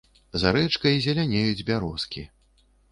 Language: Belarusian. За рэчкай зелянеюць бярозкі.